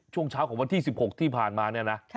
ช่วงเช้าของวันที่๑๖ที่ผ่านมาเนี่ยนะ